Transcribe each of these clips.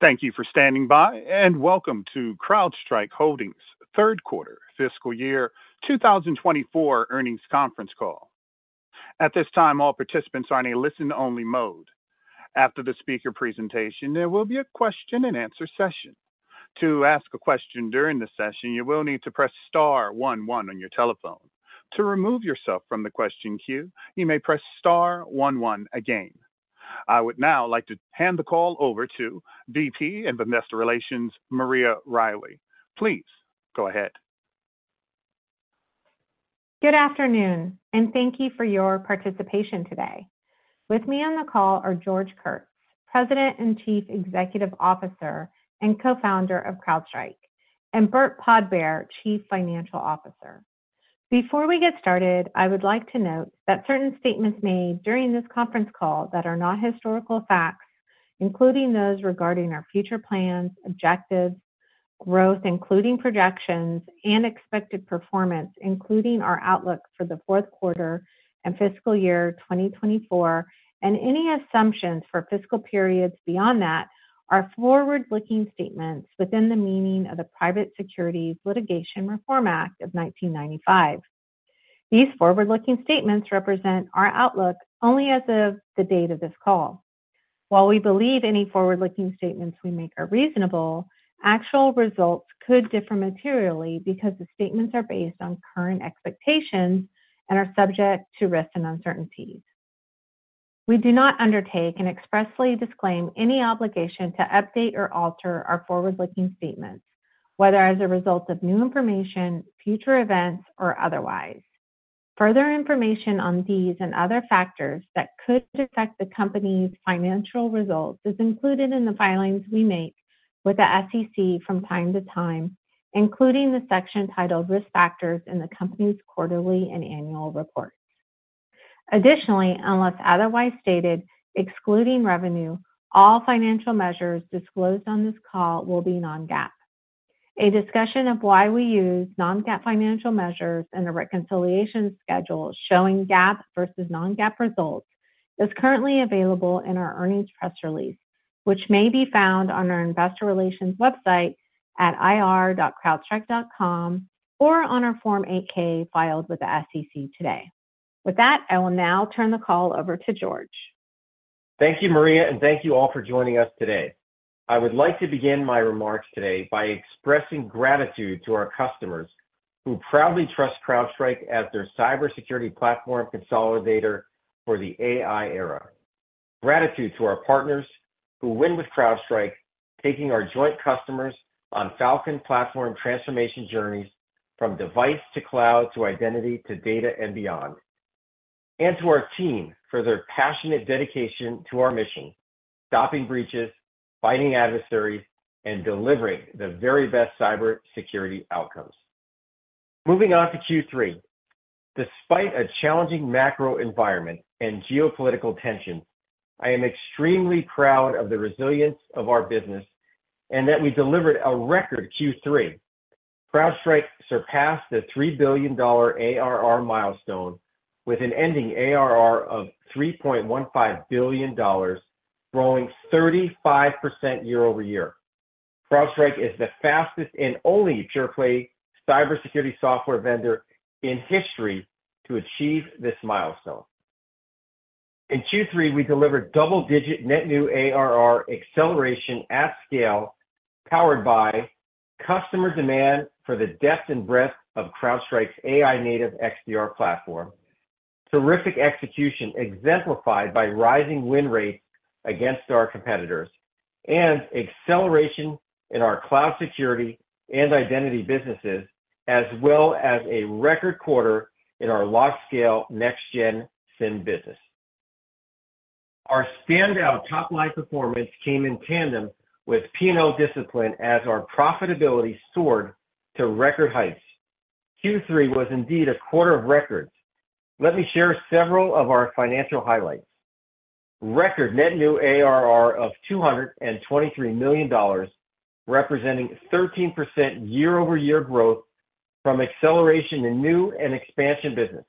Thank you for standing by, and welcome to CrowdStrike Holdings' Q3 fiscal year 2024 earnings conference call. At this time, all participants are in a listen-only mode. After the speaker presentation, there will be a question-and-answer session. To ask a question during the session, you will need to press star one one on your telephone. To remove yourself from the question queue, you may press star one one again. I would now like to hand the call over to VP of Investor Relations, Maria Riley. Please go ahead. Good afternoon, and thank you for your participation today. With me on the call are George Kurtz, President and Chief Executive Officer and Co-founder of CrowdStrike, and Burt Podbere, Chief Financial Officer. Before we get started, I would like to note that certain statements made during this conference call that are not historical facts, including those regarding our future plans, objectives, growth, including projections and expected performance, including our outlook for the Q4 and fiscal year 2024, and any assumptions for fiscal periods beyond that, are forward-looking statements within the meaning of the Private Securities Litigation Reform Act of 1995. These forward-looking statements represent our outlook only as of the date of this call. While we believe any forward-looking statements we make are reasonable, actual results could differ materially because the statements are based on current expectations and are subject to risks and uncertainties. We do not undertake and expressly disclaim any obligation to update or alter our forward-looking statements, whether as a result of new information, future events, or otherwise. Further information on these and other factors that could affect the company's financial results is included in the filings we make with the SEC from time to time, including the section titled Risk Factors in the company's quarterly and annual reports. Additionally, unless otherwise stated, excluding revenue, all financial measures disclosed on this call will be non-GAAP. A discussion of why we use non-GAAP financial measures and a reconciliation schedule showing GAAP versus non-GAAP results is currently available in our earnings press release, which may be found on our investor relations website at ir.crowdstrike.com or on our Form 8-K filed with the SEC today. With that, I will now turn the call over to George. Thank you, Maria, and thank you all for joining us today. I would like to begin my remarks today by expressing gratitude to our customers who proudly trust CrowdStrike as their cybersecurity platform consolidator for the AI era. Gratitude to our partners who win with CrowdStrike, taking our joint customers on FalCon platform transformation journeys from device to cloud, to identity, to data and beyond. And to our team for their passionate dedication to our mission, stopping breaches, fighting adversaries, and delivering the very best cybersecurity outcomes. Moving on to Q3. Despite a challenging macro environment and geopolitical tension, I am extremely proud of the resilience of our business and that we delivered a record Q3. CrowdStrike surpassed the $3 billion ARR milestone with an ending ARR of $3.15 billion, growing 35% year-over-year. CrowdStrike is the fastest and only pure-play cybersecurity software vendor in history to achieve this milestone. In Q3, we delivered double-digit net new ARR acceleration at scale, powered by customer demand for the depth and breadth of CrowdStrike's AI native XDR platform, terrific execution exemplified by rising win rates against our competitors, and acceleration in our cloud security and identity businesses, as well as a record quarter in our large-scale next-gen SIEM business. Our standout top-line performance came in tandem with P&L discipline as our profitability soared to record heights. Q3 was indeed a quarter of records. Let me share several of our financial highlights. Record net new ARR of $223 million, representing 13% year-over-year growth from acceleration in new and expansion business.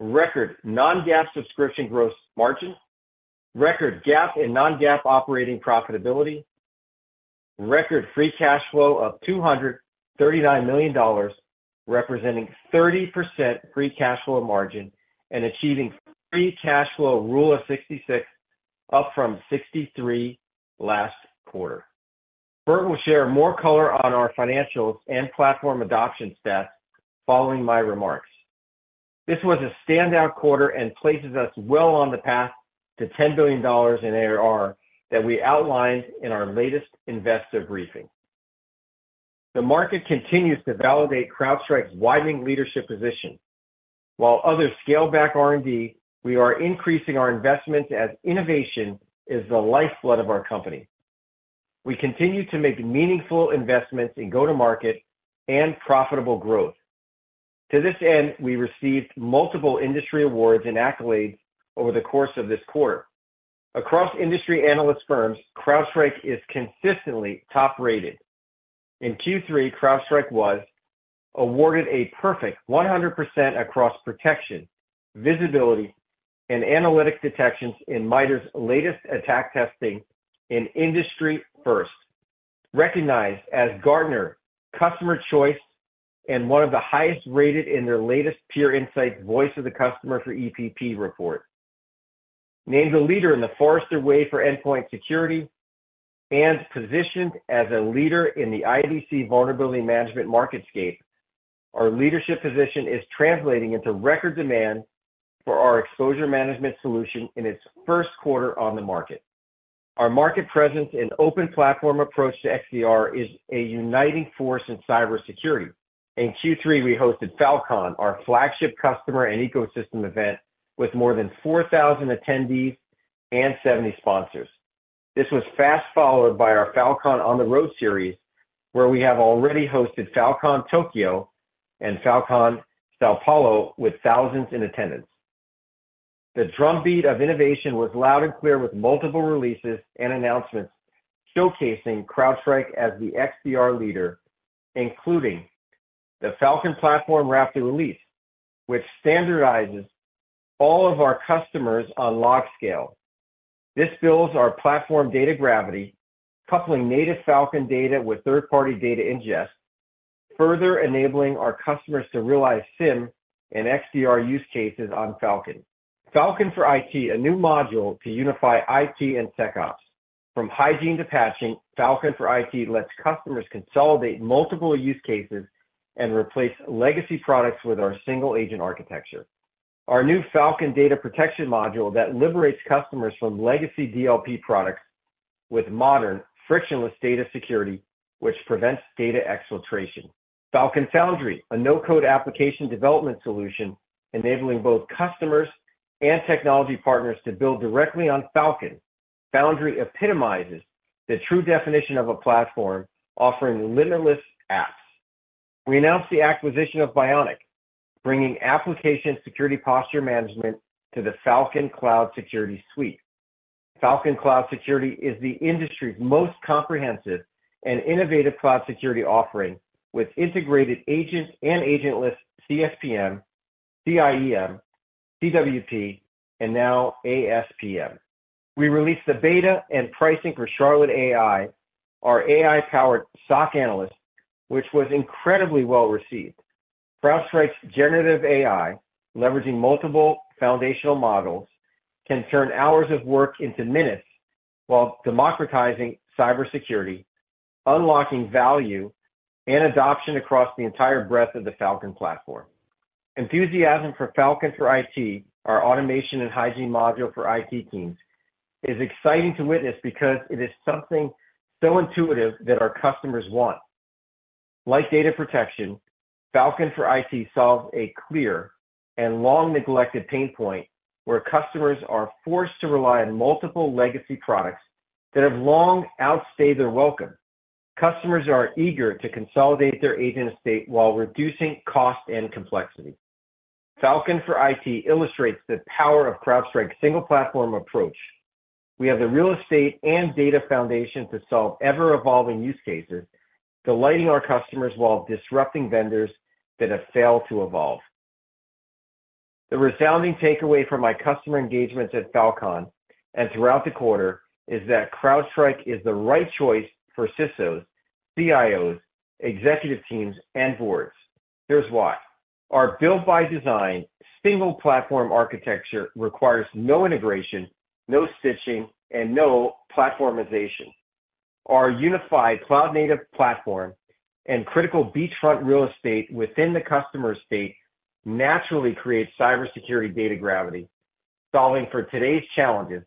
Record non-GAAP subscription gross margin, record GAAP and non-GAAP operating profitability, record free cash flow of $239 million, representing 30% free cash flow margin and achieving free cash flow Rule of 66, up from 63 last quarter. Burt will share more color on our financials and platform adoption stats following my remarks. This was a standout quarter and places us well on the path to $10 billion in ARR that we outlined in our latest investor briefing. The market continues to validate CrowdStrike's widening leadership position. While others scale back R&D, we are increasing our investments as innovation is the lifeblood of our company. We continue to make meaningful investments in go-to-market and profitable growth. To this end, we received multiple industry awards and accolades over the course of this quarter. Across industry analyst firms, CrowdStrike is consistently top-rated. In Q3, CrowdStrike was awarded a perfect 100% across protection, visibility, and analytic detections in MITRE's latest attack testing in industry first, recognized as Gartner Customer Choice and one of the highest rated in their latest Peer Insights Voice of the Customer for EPP report. Named a leader in the Forrester Wave for Endpoint Security, and positioned as a leader in the IDC Vulnerability Management MarketScape. Our leadership position is translating into record demand for our exposure management solution in its Q1 on the market. Our market presence and open platform approach to XDR is a uniting force in cybersecurity. In Q3, we hosted FalCon, our flagship customer and ecosystem event, with more than 4,000 attendees and 70 sponsors. This was fast followed by our FalCon on the Road series, where we have already hosted FalCon Tokyo and FalCon São Paulo, with thousands in attendance. The drumbeat of innovation was loud and clear, with multiple releases and announcements showcasing CrowdStrike as the XDR leader, including the FalCon Platform Raptor, which standardizes all of our customers on LogScale. This builds our platform data gravity, coupling native FalCon data with third-party data ingest, further enabling our customers to realize SIEM and XDR use cases on FalCon. FalCon for IT, a new module to unify IT and SecOps. From hygiene to patching, FalCon for IT lets customers consolidate multiple use cases and replace legacy products with our single agent architecture. Our new FalCon Data Protection module that liberates customers from legacy DLP products with modern, frictionless data security, which prevents data exfiltration. FalCon Foundry, a no-code application development solution, enabling both customers and technology partners to build directly on FalCon. Foundry epitomizes the true definition of a platform offering limitless apps. We announced the acquisition of Bionic, bringing application security posture management to the FalCon Cloud Security Suite. FalCon Cloud Security is the industry's most comprehensive and innovative cloud security offering, with integrated agent and agentless CSPM, CIEM, CWP, and now ASPM. We released the beta and pricing for Charlotte AI, our AI-powered SOC analyst, which was incredibly well-received. CrowdStrike's generative AI, leveraging multiple foundational models, can turn hours of work into minutes while democratizing cybersecurity, unlocking value and adoption across the entire breadth of the FalCon platform. Enthusiasm for FalCon for IT, our automation and hygiene module for IT teams, is exciting to witness because it is something so intuitive that our customers want. Like data protection, FalCon for IT solves a clear and long-neglected pain point, where customers are forced to rely on multiple legacy products that have long outstayed their welcome. Customers are eager to consolidate their agent estate while reducing cost and complexity. FalCon for IT illustrates the power of CrowdStrike's single platform approach. We have the real estate and data foundation to solve ever-evolving use cases, delighting our customers while disrupting vendors that have failed to evolve. The resounding takeaway from my customer engagements at FalCon and throughout the quarter is that CrowdStrike is the right choice for CISOs, CIOs, executive teams, and boards. Here's why: Our built-by-design, single platform architecture requires no integration, no stitching, and no platformization. Our unified cloud-native platform and critical beachfront real estate within the customer estate naturally creates cybersecurity data gravity, solving for today's challenges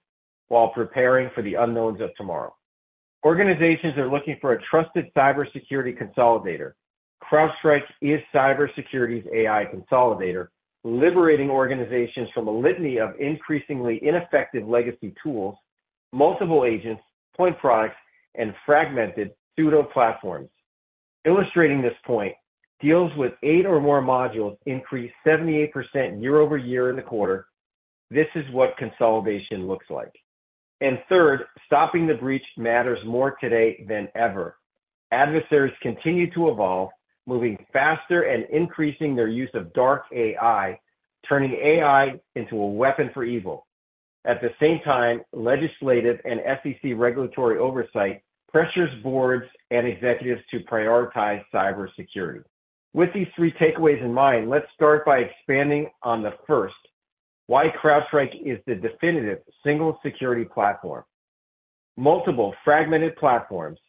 while preparing for the unknowns of tomorrow. Organizations are looking for a trusted cybersecurity consolidator. CrowdStrike is cybersecurity's AI consolidator, liberating organizations from a litany of increasingly ineffective legacy tools, multiple agents, point products, and fragmented pseudo platforms. Illustrating this point, deals with 8 or more modules increased 78% year-over-year in the quarter. This is what consolidation looks like. And third, stopping the breach matters more today than ever. Adversaries continue to evolve, moving faster and increasing their use of dark AI, turning AI into a weapon for evil. At the same time, legislative and SEC regulatory oversight pressures boards and executives to prioritize cybersecurity. With these three takeaways in mind, let's start by expanding on the first, why CrowdStrike is the definitive single security platform. Multiple fragmented platforms,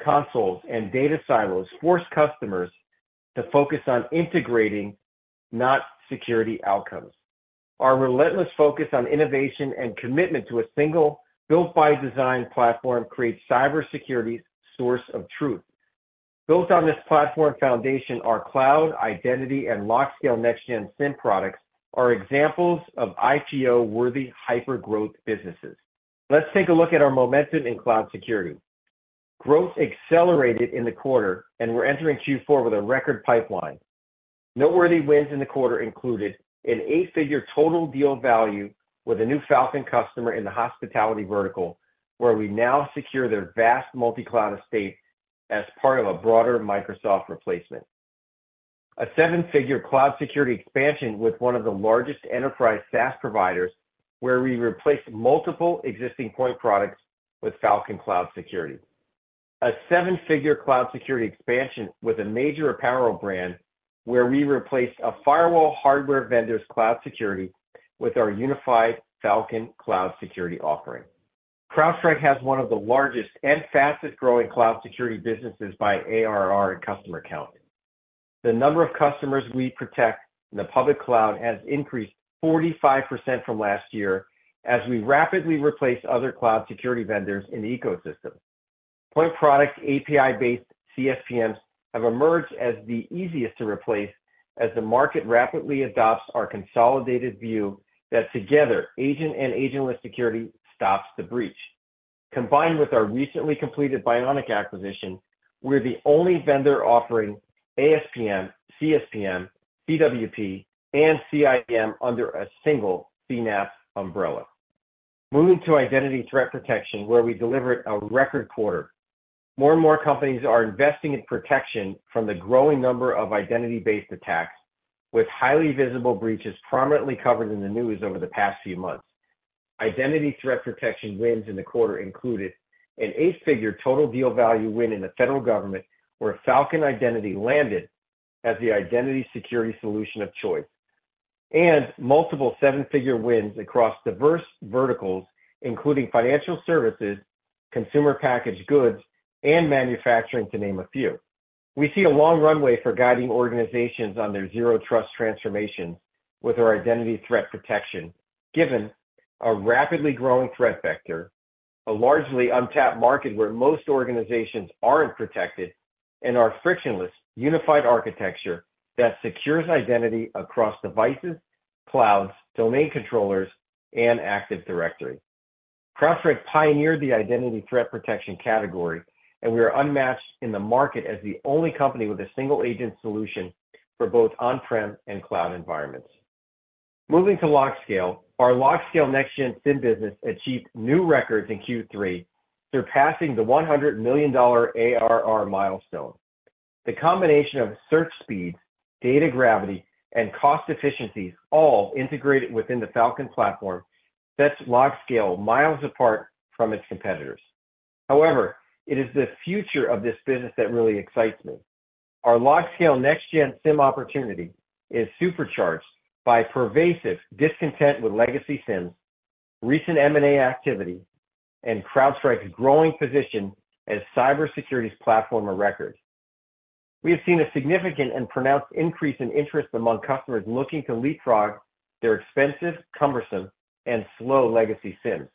consoles, and data silos force customers to focus on integrating, not security outcomes. Our relentless focus on innovation and commitment to a single built-by-design platform creates cybersecurity's source of truth. Built on this platform foundation, our cloud, identity, and LogScale next-gen SIEM products are examples of IPO-worthy hypergrowth businesses. Let's take a look at our momentum in cloud security. Growth accelerated in the quarter, and we're entering Q4 with a record pipeline. Noteworthy wins in the quarter included an eight-figure total deal value with a new FalCon customer in the hospitality vertical, where we now secure their vast multi-cloud estate as part of a broader Microsoft replacement. A seven-figure cloud security expansion with one of the largest enterprise SaaS providers, where we replaced multiple existing point products with FalCon Cloud Security. A seven-figure cloud security expansion with a major apparel brand, where we replaced a firewall hardware vendor's cloud security with our unified FalCon Cloud Security offering. CrowdStrike has one of the largest and fastest-growing cloud security businesses by ARR and customer count. The number of customers we protect in the public cloud has increased 45% from last year, as we rapidly replace other cloud security vendors in the ecosystem. Point product API-based CSPMs have emerged as the easiest to replace as the market rapidly adopts our consolidated view that together, agent and agentless security stops the breach. Combined with our recently completed Bionic acquisition, we're the only vendor offering ASPM, CSPM, CWP, and CIEM under a single CNAPP umbrella. Moving to identity threat protection, where we delivered a record quarter. More and more companies are investing in protection from the growing number of identity-based attacks, with highly visible breaches prominently covered in the news over the past few months. Identity threat protection wins in the quarter included an eight-figure total deal value win in the federal government, where FalCon Identity landed as the identity security solution of choice, and multiple seven-figure wins across diverse verticals, including financial services, consumer packaged goods, and manufacturing, to name a few. We see a long runway for guiding organizations on their Zero Trust transformation with our identity threat protection, given a rapidly growing threat vector, a largely untapped market where most organizations aren't protected, and our frictionless, unified architecture that secures identity across devices, clouds, domain controllers, and Active Directory. CrowdStrike pioneered the identity threat protection category, and we are unmatched in the market as the only company with a single-agent solution for both on-prem and cloud environments. Moving to LogScale, our LogScale next-gen SIEM business achieved new records in Q3, surpassing the $100 million ARR milestone. The combination of search speed, data gravity, and cost efficiencies, all integrated within the FalCon platform, sets LogScale miles apart from its competitors. However, it is the future of this business that really excites me. Our LogScale next-gen SIEM opportunity is supercharged by pervasive discontent with legacy SIEM, recent M&A activity, and CrowdStrike's growing position as cybersecurity's platform of record. We have seen a significant and pronounced increase in interest among customers looking to leapfrog their expensive, cumbersome, and slow legacy SIEMs.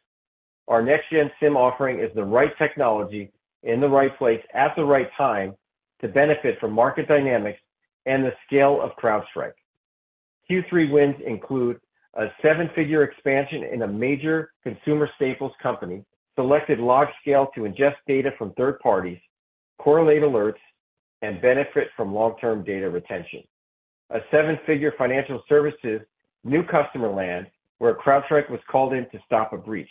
Our next-gen SIEM offering is the right technology, in the right place, at the right time to benefit from market dynamics and the scale of CrowdStrike. Q3 wins include a seven-figure expansion in a major consumer staples company, selected LogScale to ingest data from third parties, correlate alerts, and benefit from long-term data retention. A seven-figure financial services new customer land, where CrowdStrike was called in to stop a breach.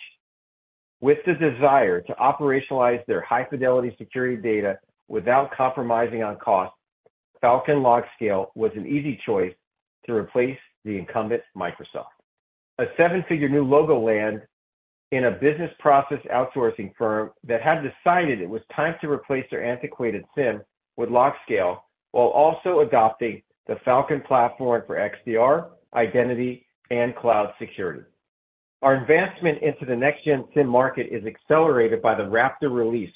With the desire to operationalize their high-fidelity security data without compromising on cost, FalCon LogScale was an easy choice to replace the incumbent, Microsoft. A seven-figure new logo land in a business process outsourcing firm that had decided it was time to replace their antiquated SIEM with LogScale, while also adopting the FalCon platform for XDR, identity, and cloud security. Our investment into the next-gen SIEM market is accelerated by the Raptor release,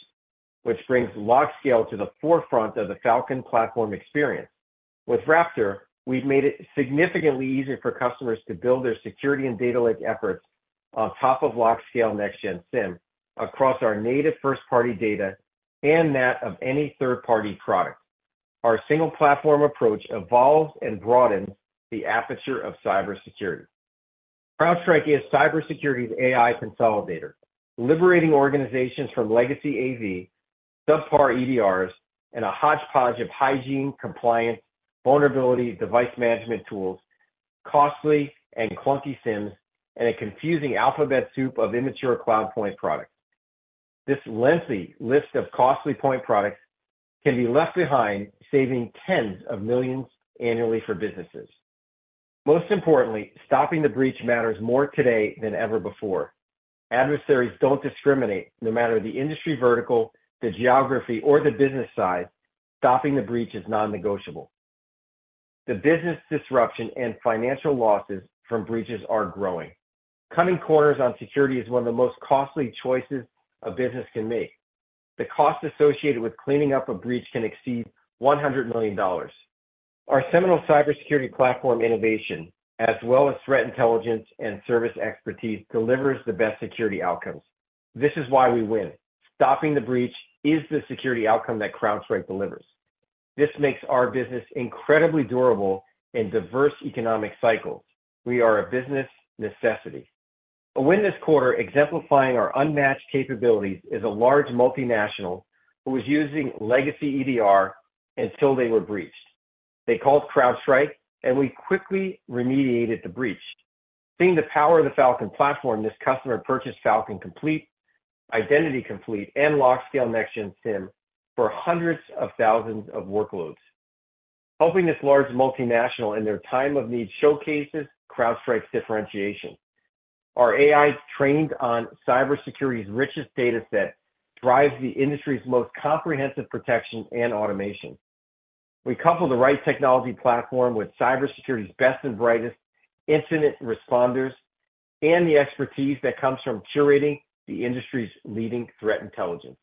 which brings LogScale to the forefront of the FalCon platform experience. With Raptor, we've made it significantly easier for customers to build their security and data lake efforts on top of LogScale next-gen SIEM across our native first-party data and that of any third-party product. Our single platform approach evolves and broadens the aperture of cybersecurity. CrowdStrike is cybersecurity's AI consolidator, liberating organizations from legacy AV, subpar EDRs, and a hodgepodge of hygiene, compliance, vulnerability, device management tools, costly and clunky SIEMs, and a confusing alphabet soup of immature cloud point products. This lengthy list of costly point products can be left behind, saving tens of millions annually for businesses. Most importantly, stopping the breach matters more today than ever before. Adversaries don't discriminate, no matter the industry vertical, the geography, or the business size. Stopping the breach is non-negotiable. The business disruption and financial losses from breaches are growing. Cutting corners on security is one of the most costly choices a business can make. The cost associated with cleaning up a breach can exceed $100 million. Our seminal cybersecurity platform innovation, as well as threat intelligence and service expertise, delivers the best security outcomes. This is why we win. Stopping the breach is the security outcome that CrowdStrike delivers. This makes our business incredibly durable in diverse economic cycles. We are a business necessity.... A win this quarter exemplifying our unmatched capabilities is a large multinational who was using legacy EDR until they were breached. They called CrowdStrike, and we quickly remediated the breach. Seeing the power of the FalCon platform, this customer purchased FalCon Complete, Identity Complete, and LogScale next-gen SIEM for hundreds of thousands of workloads. Helping this large multinational in their time of need showcases CrowdStrike's differentiation. Our AI, trained on cybersecurity's richest data set, drives the industry's most comprehensive protection and automation. We couple the right technology platform with cybersecurity's best and brightest incident responders and the expertise that comes from curating the industry's leading threat intelligence.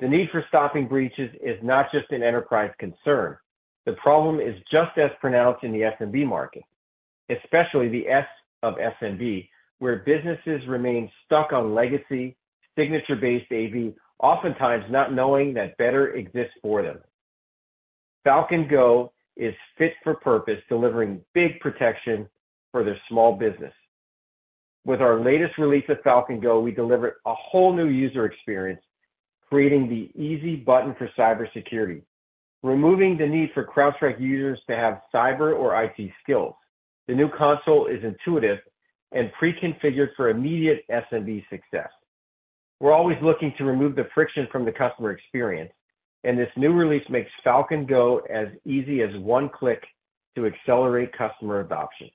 The need for stopping breaches is not just an enterprise concern. The problem is just as pronounced in the SMB market, especially the S of SMB, where businesses remain stuck on legacy, signature-based AV, oftentimes not knowing that better exists for them. FalCon Go is fit for purpose, delivering big protection for their small business. With our latest release of FalCon Go, we delivered a whole new user experience, creating the easy button for cybersecurity, removing the need for CrowdStrike users to have cyber or IT skills. The new console is intuitive and preconfigured for immediate SMB success. We're always looking to remove the friction from the customer experience, and this new release makes FalCon Go as easy as one click to accelerate customer adoption.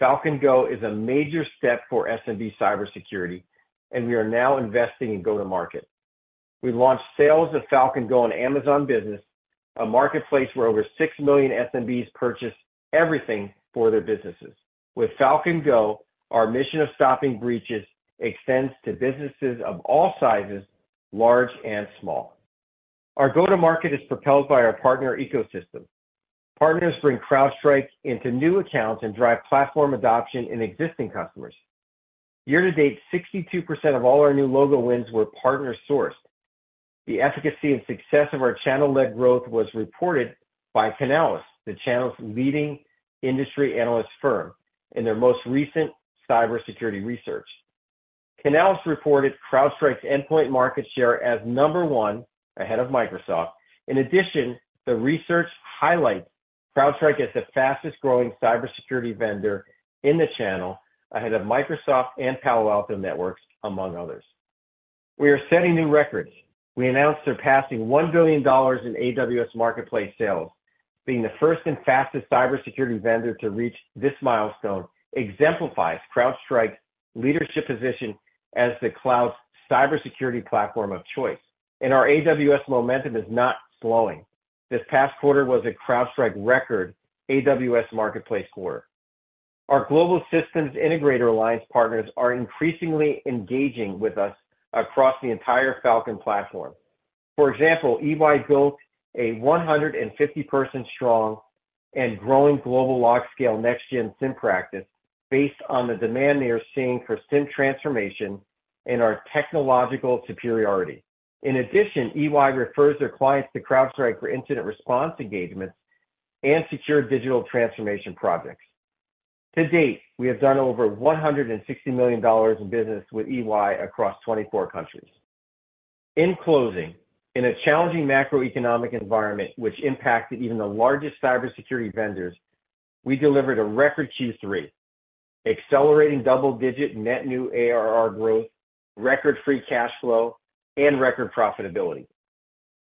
FalCon Go is a major step for SMB cybersecurity, and we are now investing in go-to-market. We launched sales of FalCon Go on Amazon Business, a marketplace where over 6 million SMBs purchase everything for their businesses. With FalCon Go, our mission of stopping breaches extends to businesses of all sizes, large and small. Our go-to-market is propelled by our partner ecosystem. Partners bring CrowdStrike into new accounts and drive platform adoption in existing customers. Year to date, 62% of all our new logo wins were partner-sourced. The efficacy and success of our channel-led growth was reported by Canalys, the channel's leading industry analyst firm, in their most recent cybersecurity research. Canalys reported CrowdStrike's endpoint market share as number one, ahead of Microsoft. In addition, the research highlights CrowdStrike as the fastest-growing cybersecurity vendor in the channel, ahead of Microsoft and Palo Alto Networks, among others. We are setting new records. We announced surpassing $1 billion in AWS Marketplace sales. Being the first and fastest cybersecurity vendor to reach this milestone exemplifies CrowdStrike's leadership position as the cloud's cybersecurity platform of choice, and our AWS momentum is not slowing. This past quarter was a CrowdStrike record AWS Marketplace quarter. Our global systems integrator alliance partners are increasingly engaging with us across the entire FalCon platform. For example, EY built a 150-person strong and growing global LogScale next-gen SIEM practice based on the demand they are seeing for SIEM transformation and our technological superiority. In addition, EY refers their clients to CrowdStrike for incident response engagements and secure digital transformation projects. To date, we have done over $160 million in business with EY across 24 countries. In closing, in a challenging macroeconomic environment which impacted even the largest cybersecurity vendors, we delivered a record Q3, accelerating double-digit net new ARR growth, record free cash flow, and record profitability.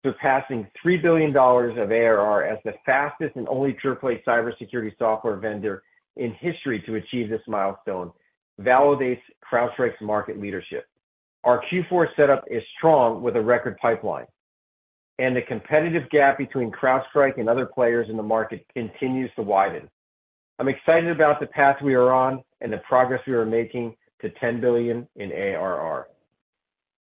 Surpassing $3 billion of ARR as the fastest and only AAA cybersecurity software vendor in history to achieve this milestone validates CrowdStrike's market leadership. Our Q4 setup is strong, with a record pipeline, and the competitive gap between CrowdStrike and other players in the market continues to widen. I'm excited about the path we are on and the progress we are making to $10 billion in ARR.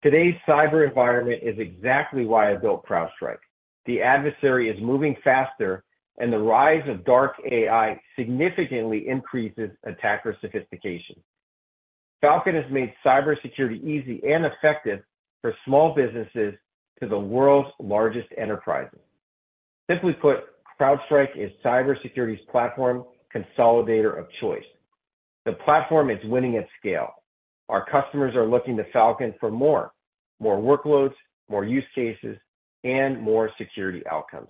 Today's cyber environment is exactly why I built CrowdStrike. The adversary is moving faster, and the rise of dark AI significantly increases attacker sophistication. FalCon has made cybersecurity easy and effective for small businesses to the world's largest enterprises. Simply put, CrowdStrike is cybersecurity's platform consolidator of choice. The platform is winning at scale. Our customers are looking to FalCon for more: more workloads, more use cases, and more security outcomes.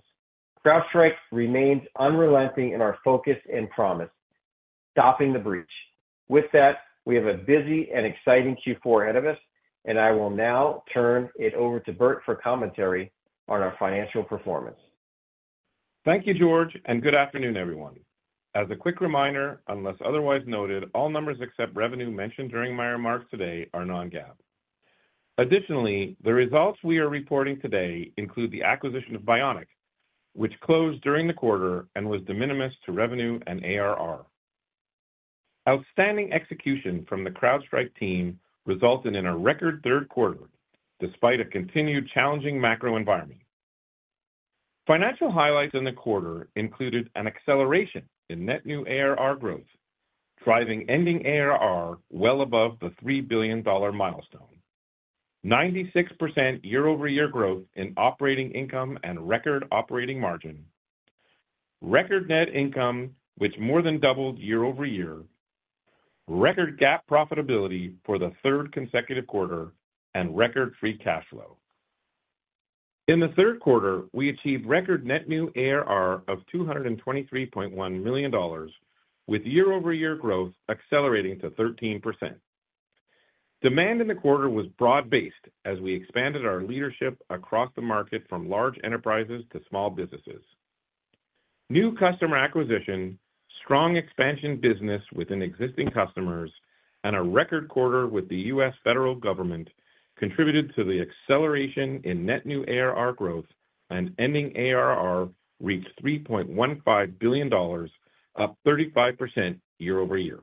CrowdStrike remains unrelenting in our focus and promise, stopping the breach. With that, we have a busy and exciting Q4 ahead of us, and I will now turn it over to Burt for commentary on our financial performance. Thank you, George, and good afternoon, everyone. As a quick reminder, unless otherwise noted, all numbers except revenue mentioned during my remarks today are non-GAAP. Additionally, the results we are reporting today include the acquisition of Bionic, which closed during the quarter and was de minimis to revenue and ARR. Outstanding execution from the CrowdStrike team resulted in a record Q3, despite a continued challenging macro environment. Financial highlights in the quarter included an acceleration in net new ARR growth, driving ending ARR well above the $3 billion milestone, 96% year-over-year growth in operating income and record operating margin, record net income, which more than doubled year-over-year, record GAAP profitability for the third consecutive quarter, and record free cash flow. In the Q3, we achieved record net new ARR of $223.1 million, with year-over-year growth accelerating to 13%. Demand in the quarter was broad-based as we expanded our leadership across the market from large enterprises to small businesses. New customer acquisition, strong expansion business within existing customers, and a record quarter with the U.S. federal government contributed to the acceleration in net new ARR growth, and ending ARR reached $3.15 billion, up 35% year-over-year.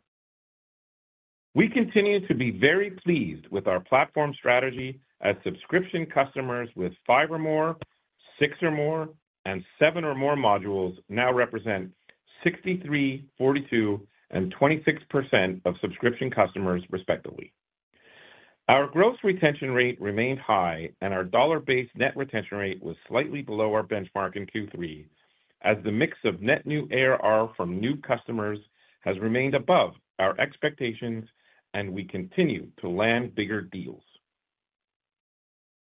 We continue to be very pleased with our platform strategy as subscription customers with 5 or more, 6 or more, and 7 or more modules now represent 63, 42, and 26% of subscription customers, respectively. Our gross retention rate remained high, and our dollar-based net retention rate was slightly below our benchmark in Q3, as the mix of net new ARR from new customers has remained above our expectations, and we continue to land bigger deals.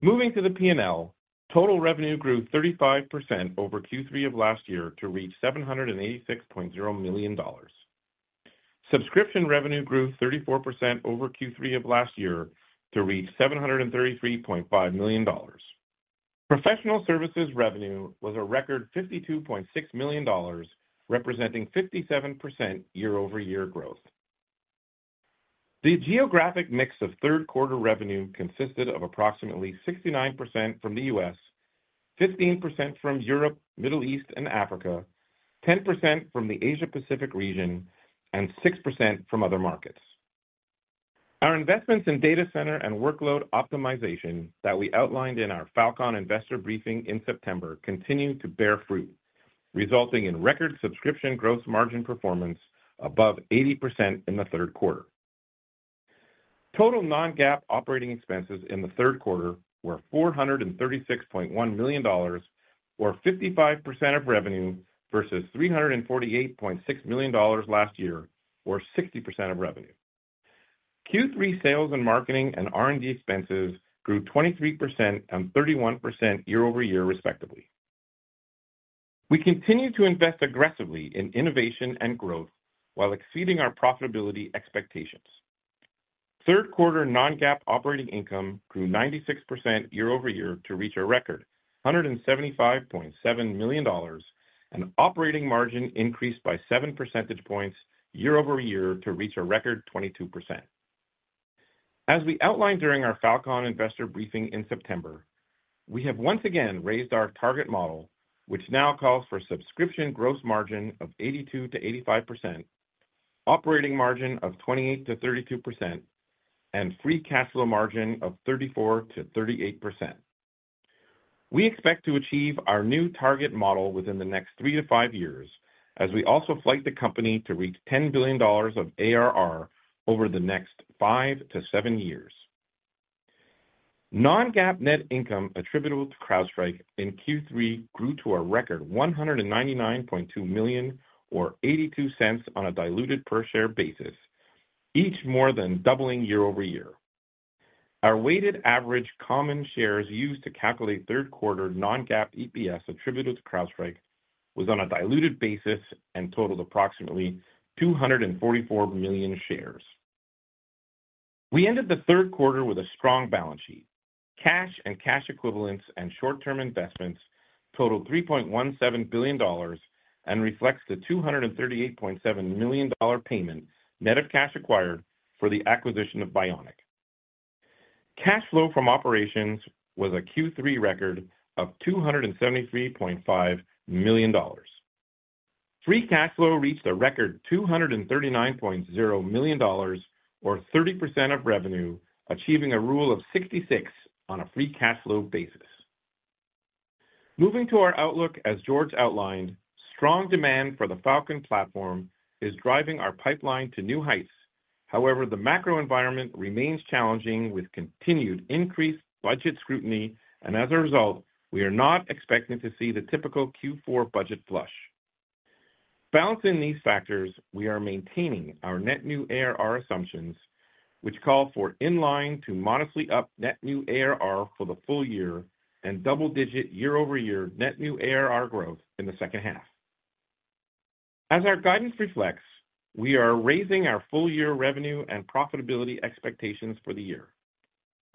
Moving to the P&L, total revenue grew 35% over Q3 of last year to reach $786.0 million. Subscription revenue grew 34% over Q3 of last year to reach $733.5 million. Professional services revenue was a record $52.6 million, representing 57% year-over-year growth. The geographic mix of Q3 revenue consisted of approximately 69% from the U.S., 15% from Europe, Middle East, and Africa, 10% from the Asia Pacific region, and 6% from other markets. Our investments in data center and workload optimization that we outlined in our FalCon Investor briefing in September continue to bear fruit, resulting in record subscription gross margin performance above 80% in the Q3. Total non-GAAP operating expenses in the Q3 were $436.1 million, or 55% of revenue, versus $348.6 million last year, or 60% of revenue. Q3 sales and marketing and R&D expenses grew 23% and 31% year-over-year, respectively. We continue to invest aggressively in innovation and growth while exceeding our profitability expectations. Q3 non-GAAP operating income grew 96% year-over-year to reach a record $175.7 million, and operating margin increased by 7 percentage points year-over-year to reach a record 22%. As we outlined during our FalCon Investor briefing in September, we have once again raised our target model, which now calls for subscription gross margin of 82%-85%, operating margin of 28%-32%, and free cash flow margin of 34%-38%. We expect to achieve our new target model within the next three to five years, as we also flight the company to reach $10 billion of ARR over the next five to seven years. Non-GAAP net income attributable to CrowdStrike in Q3 grew to a record $199.2 million, or $0.82 on a diluted per share basis, each more than doubling year over year. Our weighted average common shares used to calculate Q3 non-GAAP EPS attributable to CrowdStrike was on a diluted basis and totaled approximately 244 million shares. We ended the Q3 with a strong balance sheet. Cash and cash equivalents and short-term investments totaled $3.17 billion and reflects the $238.7 million dollar payment, net of cash acquired, for the acquisition of Bionic. Cash flow from operations was a Q3 record of $273.5 million. Free cash flow reached a record $239.0 million or 30% of revenue, achieving a rule of 66 on a free cash flow basis. Moving to our outlook, as George outlined, strong demand for the FalCon platform is driving our pipeline to new heights. However, the macro environment remains challenging, with continued increased budget scrutiny, and as a result, we are not expecting to see the typical Q4 budget flush. Balancing these factors, we are maintaining our net new ARR assumptions, which call for in-line to modestly up net new ARR for the full year and double-digit year-over-year net new ARR growth in the second half. As our guidance reflects, we are raising our full year revenue and profitability expectations for the year.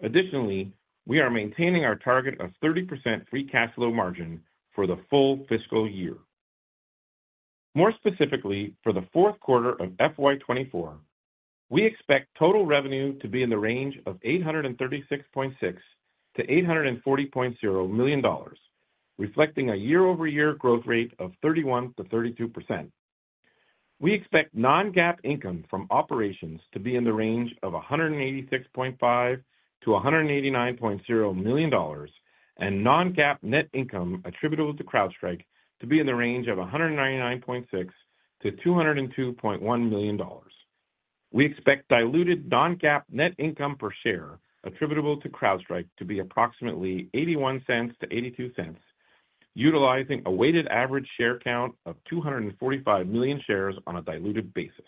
Additionally, we are maintaining our target of 30% free cash flow margin for the full fiscal year. More specifically, for the Q4 of FY 2024, we expect total revenue to be in the range of $836.6 million-$840.0 million, reflecting a year-over-year growth rate of 31%-32%. We expect non-GAAP income from operations to be in the range of $186.5 million-$189.0 million, and non-GAAP net income attributable to CrowdStrike to be in the range of $199.6 million-$202.1 million.... We expect diluted non-GAAP net income per share attributable to CrowdStrike to be approximately $0.81-$0.82, utilizing a weighted average share count of 245 million shares on a diluted basis.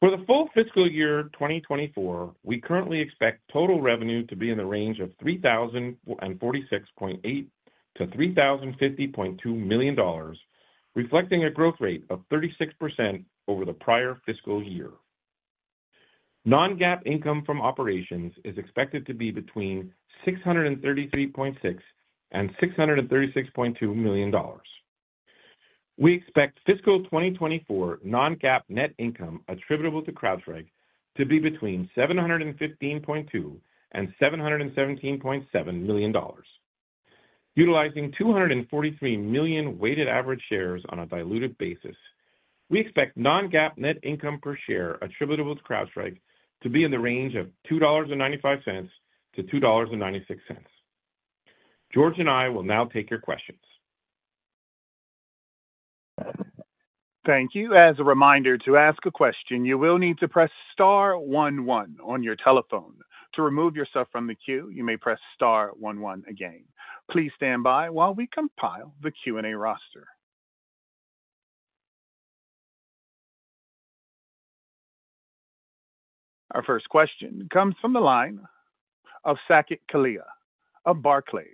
For the full fiscal year 2024, we currently expect total revenue to be in the range of $3,046.8 million-$3,050.2 million, reflecting a growth rate of 36% over the prior fiscal year. Non-GAAP income from operations is expected to be between $633.6 million and $636.2 million. We expect fiscal 2024 non-GAAP net income attributable to CrowdStrike to be between $715.2 million and $717.7 million. Utilizing 243 million weighted average shares on a diluted basis, we expect non-GAAP net income per share attributable to CrowdStrike to be in the range of $2.95-$2.96. George and I will now take your questions. Thank you. As a reminder, to ask a question, you will need to press star one one on your telephone. To remove yourself from the queue, you may press star one one again. Please stand by while we compile the Q&A roster. Our first question comes from the line of Saket Kalia of Barclays.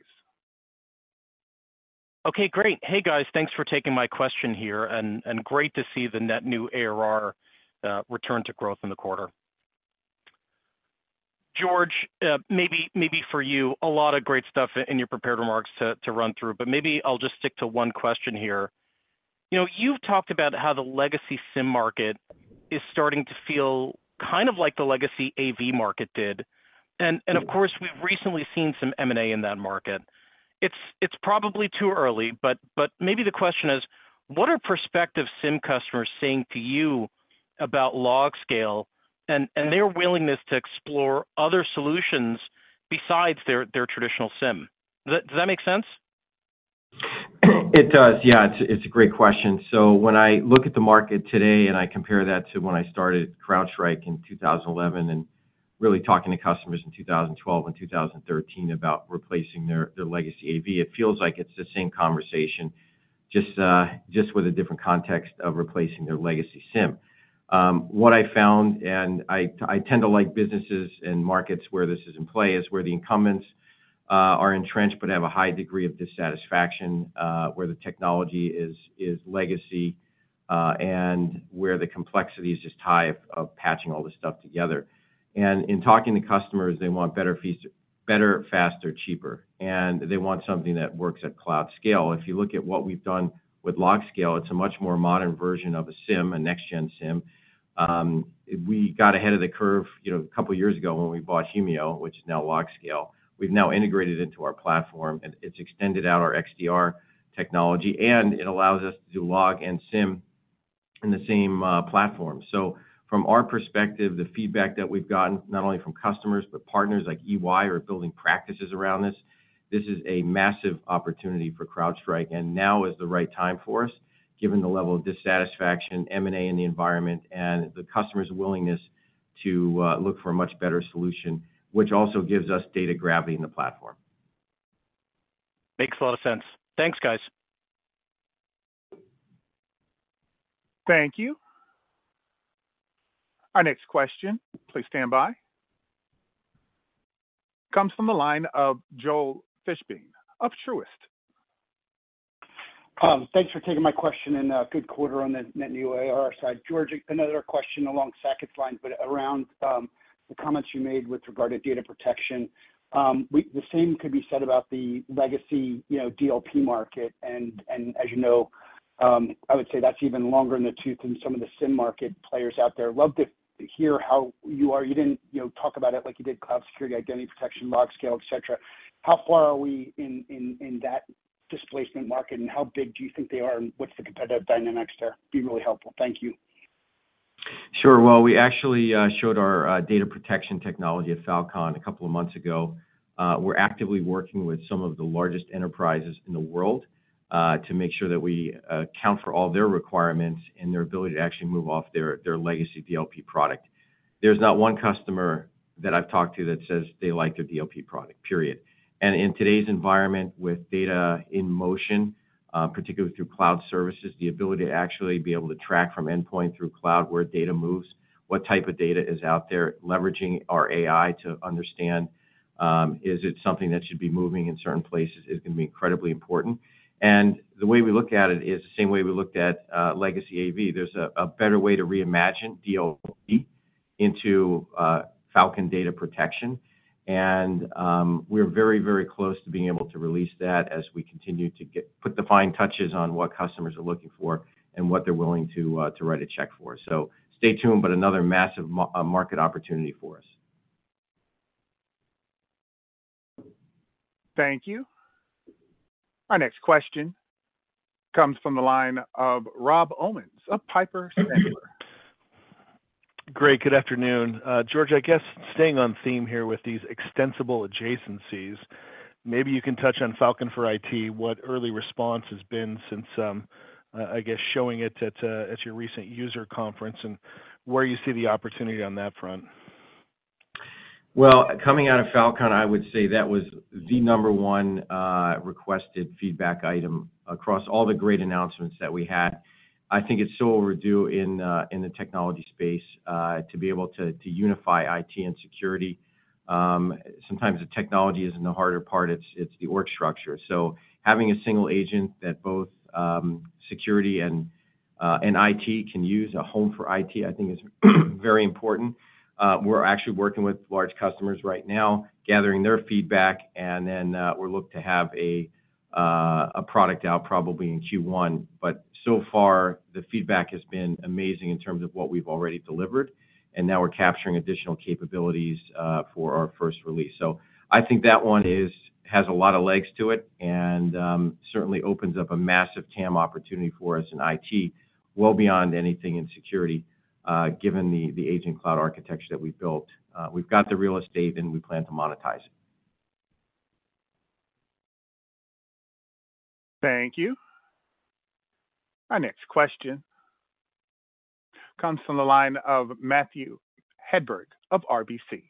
Okay, great. Hey, guys, thanks for taking my question here, and great to see the net new ARR return to growth in the quarter. George, maybe, maybe for you, a lot of great stuff in your prepared remarks to run through, but maybe I'll just stick to one question here. You know, you've talked about how the legacy SIEM market is starting to feel kind of like the legacy AV market did. And of course, we've recently seen some M&A in that market. It's probably too early, but maybe the question is, what are prospective SIEM customers saying to you about LogScale and their willingness to explore other solutions besides their traditional SIEM? Does that make sense? It does. Yeah, it's a great question. So when I look at the market today, and I compare that to when I started CrowdStrike in 2011, and really talking to customers in 2012 and 2013 about replacing their legacy AV, it feels like it's the same conversation, just with a different context of replacing their legacy SIEM. What I found, and I tend to like businesses and markets where this is in play, is where the incumbents are entrenched but have a high degree of dissatisfaction, where the technology is legacy, and where the complexity is just high of patching all this stuff together. And in talking to customers, they want better fees - better, faster, cheaper, and they want something that works at cloud scale. If you look at what we've done with LogScale, it's a much more modern version of a SIEM, a next-gen SIEM. We got ahead of the curve, you know, a couple of years ago when we bought Humio, which is now LogScale. We've now integrated into our platform, and it's extended out our XDR technology, and it allows us to do log and SIEM in the same platform. So from our perspective, the feedback that we've gotten, not only from customers, but partners like EY, are building practices around this. This is a massive opportunity for CrowdStrike, and now is the right time for us, given the level of dissatisfaction, M&A in the environment, and the customer's willingness to look for a much better solution, which also gives us data gravity in the platform. Makes a lot of sense. Thanks, guys. Thank you. Our next question, please stand by, comes from the line of Joel Fishbein of Truist. Thanks for taking my question, and good quarter on the net new ARR side. George, another question along Saket's lines, but around the comments you made with regard to data protection. We, the same could be said about the legacy, you know, DLP market, and, and as you know, I would say that's even longer in the tooth than some of the SIEM market players out there. Love to hear how you are. You didn't, you know, talk about it like you did cloud security, identity protection, LogScale, et cetera. How far are we in that displacement market, and how big do you think they are, and what's the competitive dynamics there? Be really helpful. Thank you. Sure. Well, we actually showed our data protection technology at FalCon a couple of months ago. We're actively working with some of the largest enterprises in the world to make sure that we count for all their requirements and their ability to actually move off their legacy DLP product. There's not one customer that I've talked to that says they like their DLP product, period. And in today's environment, with data in motion, particularly through cloud services, the ability to actually be able to track from endpoint through cloud, where data moves, what type of data is out there, leveraging our AI to understand, is it something that should be moving in certain places, is going to be incredibly important. And the way we look at it is the same way we looked at legacy AV. There's a better way to reimagine DLP into FalCon Data Protection, and we're very, very close to being able to release that as we continue to put the fine touches on what customers are looking for and what they're willing to write a check for. So stay tuned, but another massive market opportunity for us. Thank you. Our next question comes from the line of Rob Owens of Piper Sandler. Great, good afternoon. George, I guess staying on theme here with these extensible adjacencies,... maybe you can touch on FalCon for IT, what early response has been since, I guess, showing it at your recent user conference and where you see the opportunity on that front? Well, coming out of FalCon, I would say that was the number one requested feedback item across all the great announcements that we had. I think it's so overdue in the technology space to be able to unify IT and security. Sometimes the technology isn't the harder part, it's the org structure. So having a single agent that both security and IT can use, a home for IT, I think is very important. We're actually working with large customers right now, gathering their feedback, and then we'll look to have a product out probably in Q1. But so far, the feedback has been amazing in terms of what we've already delivered, and now we're capturing additional capabilities for our first release. So I think that one has a lot of legs to it and certainly opens up a massive TAM opportunity for us in IT, well beyond anything in security, given the agent cloud architecture that we've built. We've got the real estate, and we plan to monetize it. Thank you. Our next question comes from the line of Matthew Hedberg of RBC.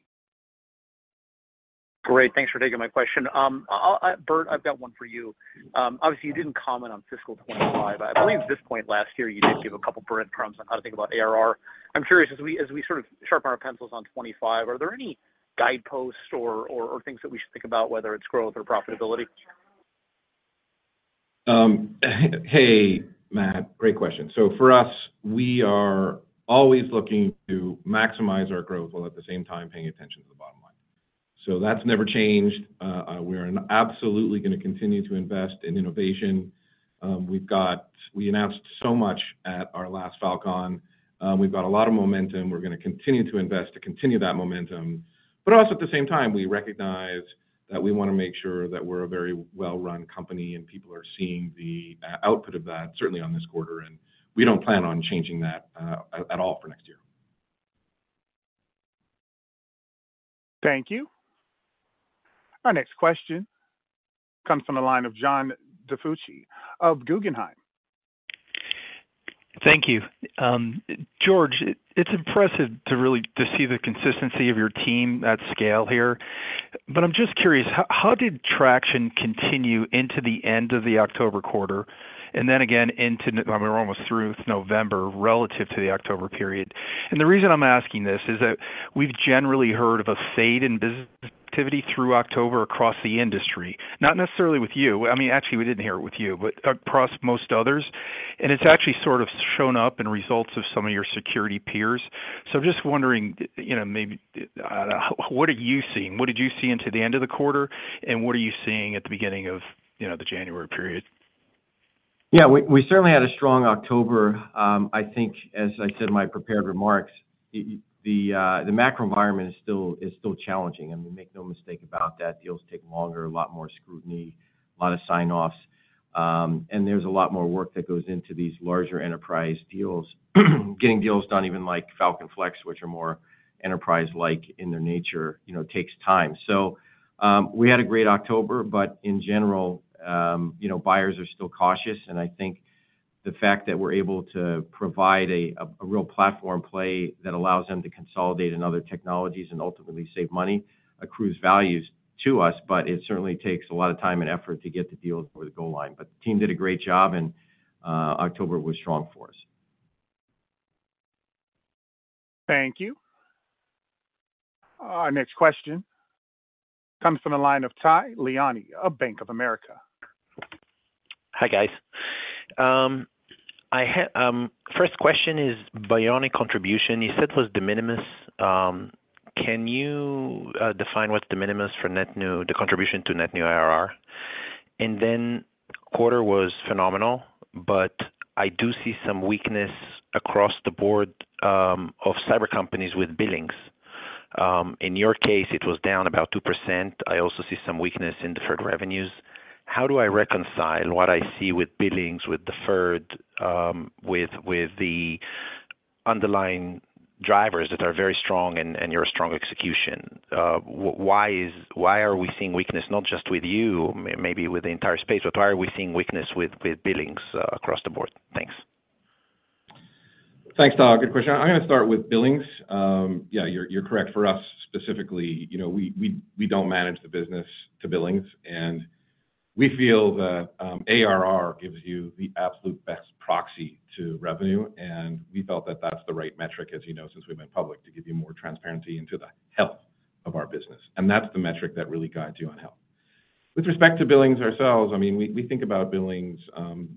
Great. Thanks for taking my question. I'll, Burt, I've got one for you. Obviously, you didn't comment on fiscal 25. I believe at this point last year, you did give a couple of breadcrumbs on how to think about ARR. I'm curious, as we, as we sort of sharpen our pencils on 25, are there any guideposts or, or, things that we should think about, whether it's growth or profitability? Hey, Matt, great question. So for us, we are always looking to maximize our growth while at the same time paying attention to the bottom line. So that's never changed. We are absolutely gonna continue to invest in innovation. We announced so much at our last FalCon. We've got a lot of momentum. We're gonna continue to invest to continue that momentum. But also, at the same time, we recognize that we wanna make sure that we're a very well-run company, and people are seeing the output of that, certainly on this quarter, and we don't plan on changing that at all for next year. Thank you. Our next question comes from the line of John DiFucci of Guggenheim. Thank you. George, it's impressive to really, to see the consistency of your team at scale here. But I'm just curious, how did traction continue into the end of the October quarter, and then again into... I mean, we're almost through November relative to the October period. And the reason I'm asking this is that we've generally heard of a fade in business activity through October across the industry, not necessarily with you. I mean, actually, we didn't hear it with you, but across most others. And it's actually sort of shown up in results of some of your security peers. So just wondering, you know, maybe, what are you seeing? What did you see into the end of the quarter, and what are you seeing at the beginning of, you know, the January period? Yeah, we certainly had a strong October. I think, as I said in my prepared remarks, it, the, the macro environment is still challenging, and we make no mistake about that. Deals take longer, a lot more scrutiny, a lot of sign-offs, and there's a lot more work that goes into these larger enterprise deals. Getting deals done, even like FalCon Flex, which are more enterprise-like in their nature, you know, takes time. So, we had a great October, but in general, you know, buyers are still cautious, and I think the fact that we're able to provide a real platform play that allows them to consolidate in other technologies and ultimately save money, accrues value to us, but it certainly takes a lot of time and effort to get the deals over the goal line. The team did a great job, and October was strong for us. Thank you. Our next question comes from the line of Tal Liani of Bank of America. Hi, guys. I had, first question is Bionic contribution. You said it was de minimis. Can you define what's de minimis for net new, the contribution to net new ARR? And then, quarter was phenomenal, but I do see some weakness across the board, of cyber companies with billings. In your case, it was down about 2%. I also see some weakness in deferred revenues. How do I reconcile what I see with billings, with deferred, with the underlying drivers that are very strong and your strong execution? Why are we seeing weakness not just with you, maybe with the entire space, but why are we seeing weakness with billings across the board? Thanks. Thanks, Ty. Good question. I'm gonna start with billings. Yeah, you're, you're correct. For us, specifically, you know, we, we, we don't manage the business to billings, and we feel that, ARR gives you the absolute best proxy to revenue, and we felt that that's the right metric, as you know, since we've been public, to give you more transparency into the health of our business. And that's the metric that really guides you on health. With respect to billings ourselves, I mean, we, we think about billings,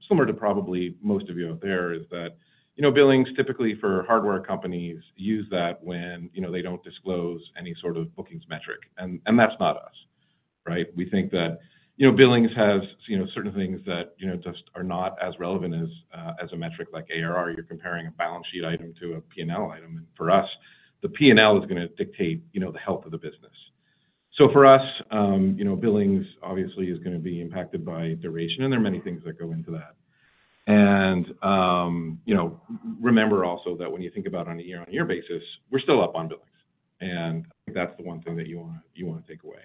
similar to probably most of you out there, is that, you know, billings typically for hardware companies use that when, you know, they don't disclose any sort of bookings metric, and, and that's not us, right? We think that, you know, billings have, you know, certain things that, you know, just are not as relevant as a metric like ARR. You're comparing a balance sheet item to a P&L item, and for us, the P&L is gonna dictate, you know, the health of the business. So for us, you know, billings obviously is gonna be impacted by duration, and there are many things that go into that.... you know, remember also that when you think about on a year-on-year basis, we're still up on billings. I think that's the one thing that you wanna take away.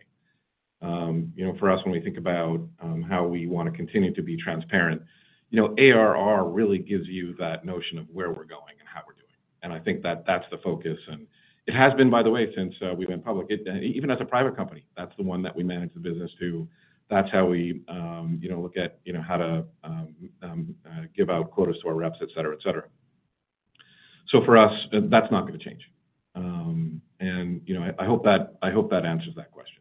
You know, for us, when we think about how we wanna continue to be transparent, you know, ARR really gives you that notion of where we're going and how we're doing. I think that's the focus, and it has been, by the way, since we've been public. It, even as a private company, that's the one that we manage the business to. That's how we, you know, look at, you know, how to give out quotas to our reps, et cetera, et cetera. So for us, that's not gonna change. And, you know, I hope that answers that question.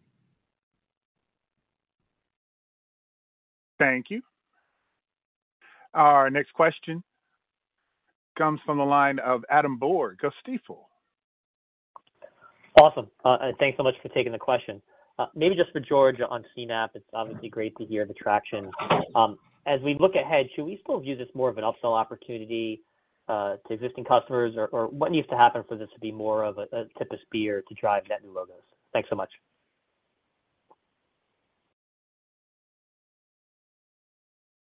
Thank you. Our next question comes from the line of Adam Borg, Guggenheim. Awesome, and thanks so much for taking the question. Maybe just for George on CNAPP, it's obviously great to hear the traction. As we look ahead, should we still view this more of an upsell opportunity, to existing customers? Or, or what needs to happen for this to be more of a, a tip, a spear to drive net new logos? Thanks so much.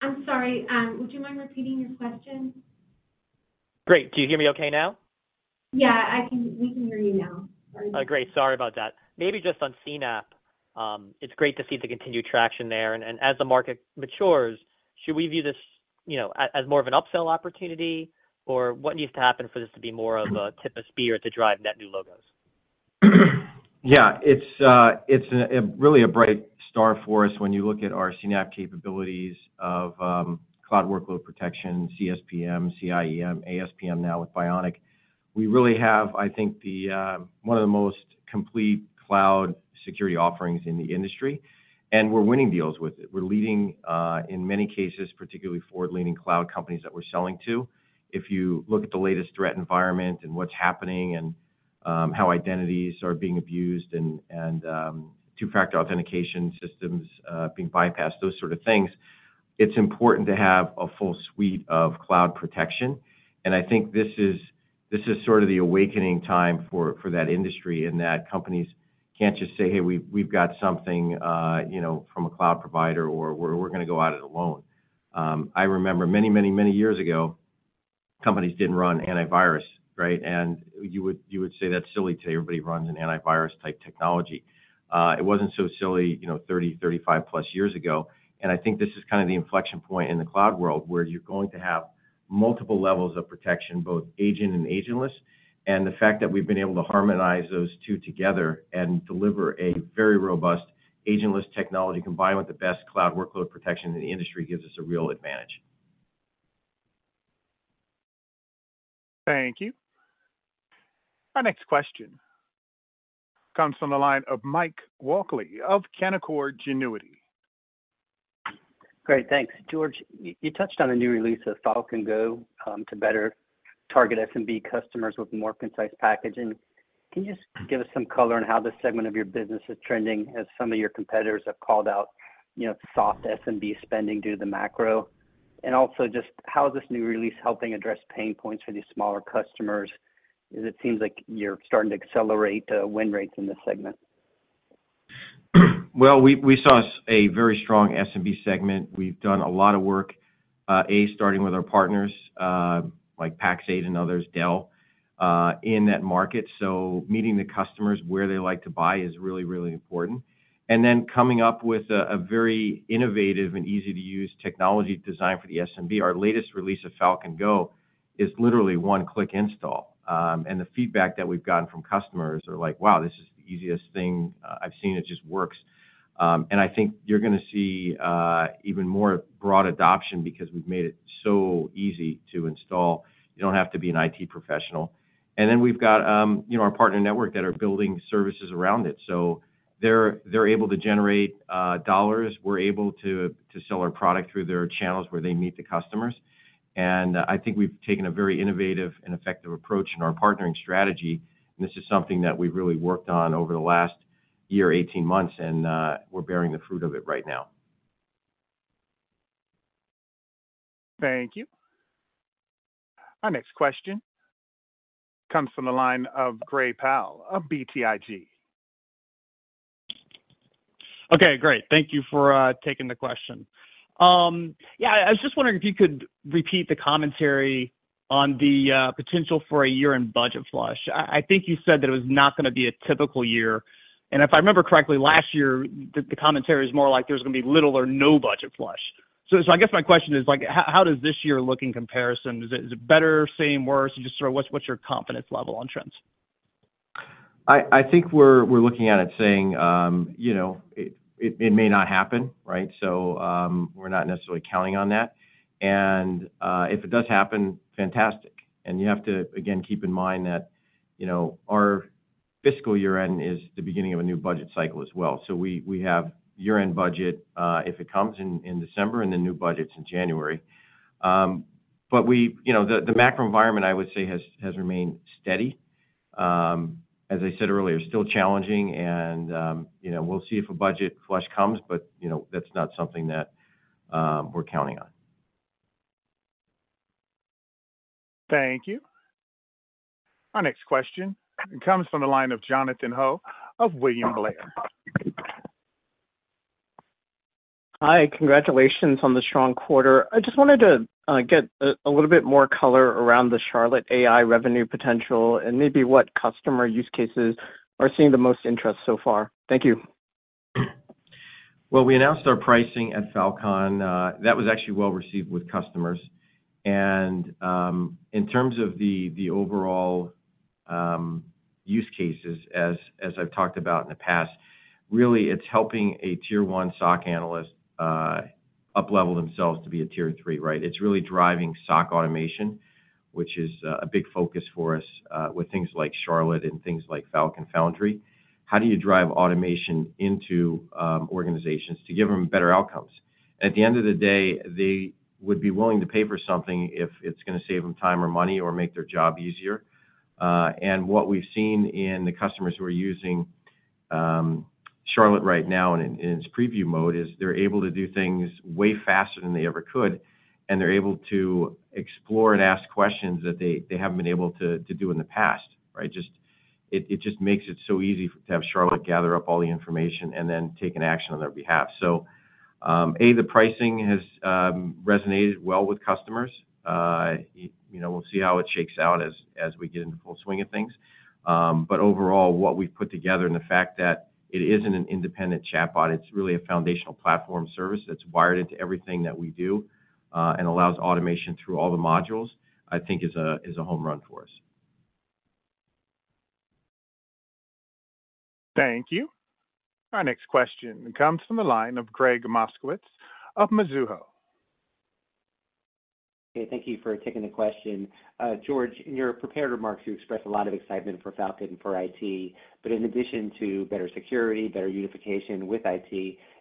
I'm sorry, would you mind repeating your question? Great. Can you hear me okay now? Yeah, we can hear you now. Oh, great. Sorry about that. Maybe just on CNAPP, it's great to see the continued traction there, and as the market matures, should we view this, you know, as more of an upsell opportunity? Or what needs to happen for this to be more of a tip of the spear to drive net new logos? Yeah, it's really a bright star for us when you look at our CNAPP capabilities of cloud workload protection, CSPM, CIEM, ASPM now with Bionic. We really have, I think, the one of the most complete cloud security offerings in the industry, and we're winning deals with it. We're leading in many cases, particularly forward-leaning cloud companies that we're selling to. If you look at the latest threat environment and what's happening and how identities are being abused and two-factor authentication systems being bypassed, those sort of things, it's important to have a full suite of cloud protection. And I think this is sort of the awakening time for that industry, and that companies can't just say, "Hey, we've got something, you know, from a cloud provider," or "We're gonna go at it alone." I remember many, many, many years ago, companies didn't run antivirus, right? And you would say that's silly today, everybody runs an antivirus-type technology. It wasn't so silly, you know, 30, 35-plus years ago. And I think this is kind of the inflection point in the cloud world, where you're going to have multiple levels of protection, both agent and agentless. And the fact that we've been able to harmonize those two together and deliver a very robust agentless technology, combined with the best cloud workload protection in the industry, gives us a real advantage. Thank you. Our next question comes from the line of Mike Walkley of Canaccord Genuity. Great, thanks. George, you touched on the new release of FalCon Go to better target SMB customers with more concise packaging. Can you just give us some color on how this segment of your business is trending, as some of your competitors have called out, you know, soft SMB spending due to the macro? And also, just how is this new release helping address pain points for these smaller customers, as it seems like you're starting to accelerate win rates in this segment? Well, we saw a very strong SMB segment. We've done a lot of work, starting with our partners, like Pax8 and others, Dell, in that market. So meeting the customers where they like to buy is really, really important. And then coming up with a very innovative and easy-to-use technology design for the SMB. Our latest release of FalCon Go is literally one-click install. And the feedback that we've gotten from customers are like: Wow, this is the easiest thing I've seen. It just works. And I think you're gonna see even more broad adoption because we've made it so easy to install. You don't have to be an IT professional. And then we've got, you know, our partner network that are building services around it. So they're able to generate dollars. We're able to sell our product through their channels where they meet the customers. And, I think we've taken a very innovative and effective approach in our partnering strategy, and this is something that we've really worked on over the last year, 18 months, and, we're bearing the fruit of it right now. Thank you. Our next question comes from the line of Gray Powell of BTIG. Okay, great. Thank you for taking the question. Yeah, I was just wondering if you could repeat the commentary on the potential for a year-end budget flush. I think you said that it was not gonna be a typical year. And if I remember correctly, last year, the commentary is more like there's gonna be little or no budget flush. So I guess my question is, like: How does this year look in comparison? Is it better, same, worse? Just sort of what's your confidence level on trends? I think we're looking at it saying, you know, it may not happen, right? So, we're not necessarily counting on that. And if it does happen, fantastic. And you have to, again, keep in mind that, you know, our fiscal year-end is the beginning of a new budget cycle as well. So we have year-end budget if it comes in December, and then new budgets in January. But you know, the macro environment, I would say, has remained steady. As I said earlier, still challenging and, you know, we'll see if a budget flush comes, but, you know, that's not something that we're counting on. Thank you. Our next question comes from the line of Jonathan Ho of William Blair. Hi, congratulations on the strong quarter. I just wanted to get a little bit more color around the Charlotte AI revenue potential and maybe what customer use cases are seeing the most interest so far. Thank you. Well, we announced our pricing at FalCon, that was actually well-received with customers. In terms of the overall use cases, as I've talked about in the past, really, it's helping a tier one SOC analyst uplevel themselves to be a tier three, right? It's really driving SOC automation, which is a big focus for us, with things like Charlotte and things like FalCon Foundry. How do you drive automation into organizations to give them better outcomes? At the end of the day, they would be willing to pay for something if it's gonna save them time or money or make their job easier. And what we've seen in the customers who are using Charlotte right now in its preview mode is they're able to do things way faster than they ever could, and they're able to explore and ask questions that they haven't been able to do in the past, right? It just makes it so easy to have Charlotte gather up all the information and then take an action on their behalf. So, the pricing has resonated well with customers. You know, we'll see how it shakes out as we get into the full swing of things. But overall, what we've put together and the fact that it isn't an independent chatbot, it's really a foundational platform service that's wired into everything that we do, and allows automation through all the modules, I think is a home run for us. Thank you. Our next question comes from the line of Gregg Moskowitz of Mizuho. Okay, thank you for taking the question. George, in your prepared remarks, you expressed a lot of excitement for FalCon for IT, but in addition to better security, better unification with IT,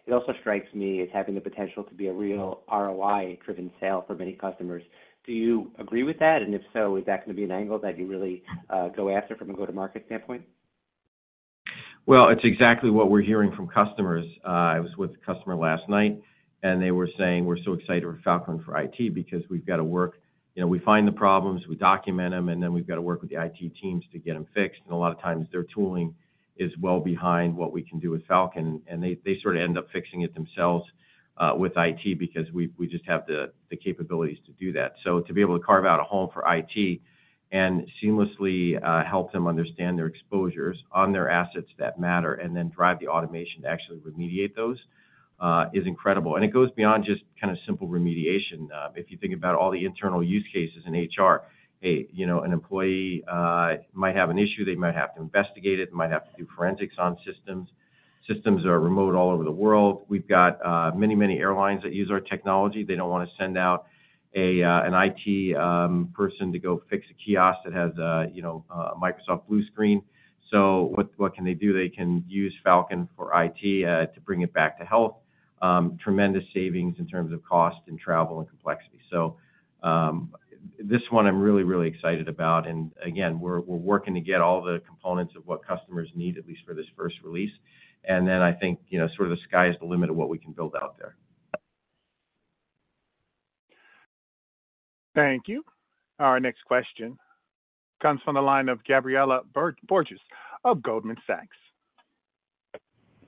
it also strikes me as having the potential to be a real ROI-driven sale for many customers. Do you agree with that? And if so, is that gonna be an angle that you really go after from a go-to-market standpoint? Well, it's exactly what we're hearing from customers. I was with a customer last night, and they were saying: "We're so excited for FalCon for IT, because we've got to work... You know, we find the problems, we document them, and then we've got to work with the IT teams to get them fixed. And a lot of times their tooling is well behind what we can do with FalCon, and they, they sort of end up fixing it themselves, with IT because we, we just have the, the capabilities to do that." So to be able to carve out a home for IT and seamlessly, help them understand their exposures on their assets that matter, and then drive the automation to actually remediate those, is incredible. And it goes beyond just simple remediation. If you think about all the internal use cases in HR, a you know, an employee might have an issue, they might have to investigate it, might have to do forensics on systems. Systems are remote all over the world. We've got many, many airlines that use our technology. They don't want to send out an IT person to go fix a kiosk that has a, you know, a Microsoft blue screen. So what can they do? They can use FalCon for IT to bring it back to health. Tremendous savings in terms of cost and travel and complexity. So this one I'm really, really excited about, and again, we're working to get all the components of what customers need, at least for this first release. Then I think, you know, sort of the sky is the limit of what we can build out there. Thank you. Our next question comes from the line of Gabriela Borges of Goldman Sachs.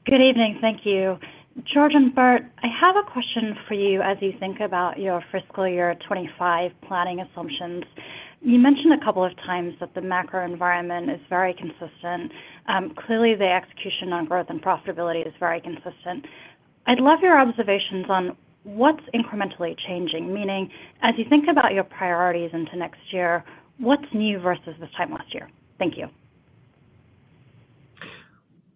Good evening. Thank you. George and Burt, I have a question for you as you think about your fiscal year 25 planning assumptions. You mentioned a couple of times that the macro environment is very consistent. Clearly, the execution on growth and profitability is very consistent. I'd love your observations on what's incrementally changing, meaning, as you think about your priorities into next year, what's new versus this time last year? Thank you.